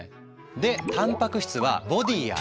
でたんぱく質はボディーやエンジン。